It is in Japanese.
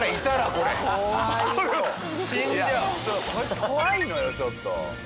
これ怖いのよちょっと。